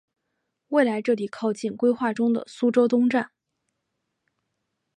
未来这里靠近规划中的苏州东站。